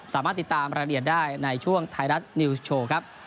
สามารถติดตามรายละเอียดได้ในช่วงไทยรัฐนิวส์โชว์ครับ